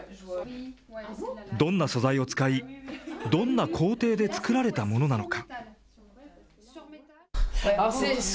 どんな素材を使い、どんな工程で作られたものなのか。